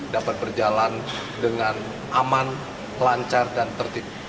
dapat berjalan dengan aman lancar dan tertib